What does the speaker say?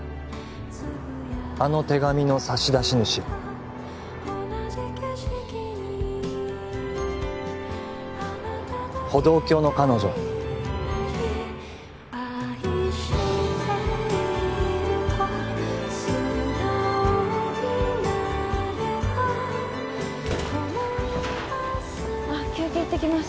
あの手紙の差し出し主歩道橋の彼女あっ休憩行ってきます